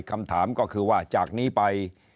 คำถามก็คือว่าจากนี้ไป